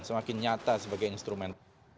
semakin nyata sebagai instrumen